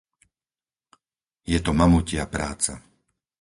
Je to mamutia práca.